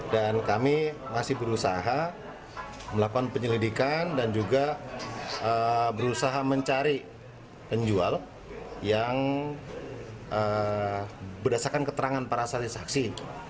dan kami masih berusaha melakukan penyelidikan dan juga berusaha mencari penjual yang berdasarkan keterangan para salisaksi